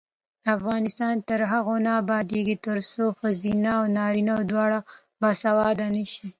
افغانستان تر هغو نه ابادیږي، ترڅو ښځینه او نارینه دواړه باسواده نشي.